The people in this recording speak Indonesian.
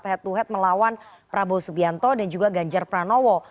head to head melawan prabowo subianto dan juga ganjar pranowo